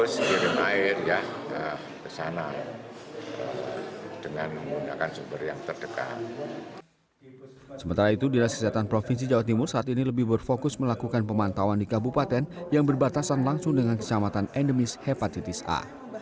sementara itu dinas kesehatan provinsi jawa timur saat ini lebih berfokus melakukan pemantauan di kabupaten yang berbatasan langsung dengan kecamatan endemis hepatitis a